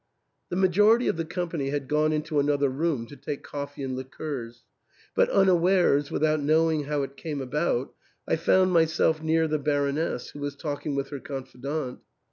The majority of the company had gone into another room to take coffee and liqueurs ; but, unawares, with out knowing how it came about, I found myself near the Baroness, who was talking with her confidante.